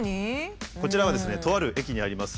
こちらはですねとある駅にあります